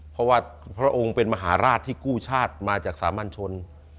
เพราะว่าพระองค์เป็นมหาราชที่กู้ชาติมาจากสามัญชน